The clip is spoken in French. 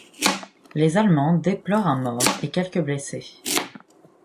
Les Allemands déplorent un mort et quelques blessés.